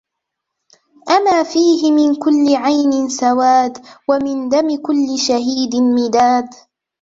أما فيهِ منْ كُـلِّ عـينٍ سَـوادْ ومِـن دمِ كـلِّ شَـهيدٍ مِـدادْ؟